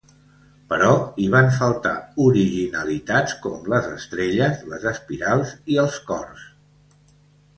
Però hi van faltar originalitats com les estrelles, les espirals i els cors.